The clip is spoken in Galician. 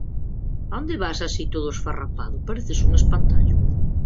A onde vas así todo esfarrapado? Pareces un espantallo